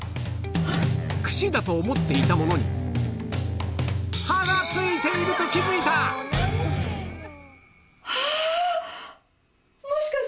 くしだと思っていたものに刃が付いていると気付いたあ！